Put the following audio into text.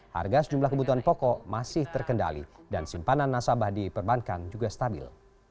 harga sejumlah kebutuhan pokok masih terkendali dan simpanan nasabah di perbankan juga stabil